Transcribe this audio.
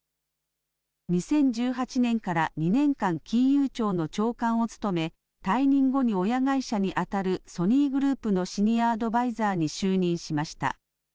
２０１８年から２年間、金融庁の長官を務め、退任後に親会社に当たるソニーグループのシニアアドバイザーに就任しました。